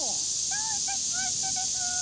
どういたしましてでスー。